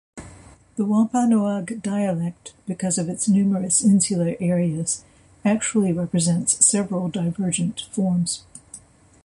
The Wampanoag dialect, because of its numerous insular areas, actually represents several divergent forms.